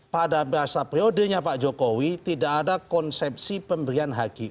pada masa periodenya pak jokowi tidak ada konsepsi pemberian hgu